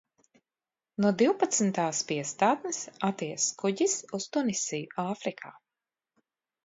No divpadsmitās piestātnes aties kuģis uz Tunisiju Āfrikā.